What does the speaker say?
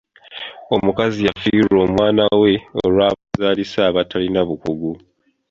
Omukazi yafiirwa omwana we olw'abazaalisa abatalina bukugu.